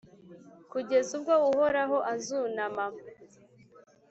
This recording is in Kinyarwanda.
kugeza ubwo Uhoraho azunama,